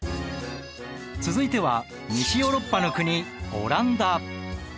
続いては西ヨーロッパの国オランダ。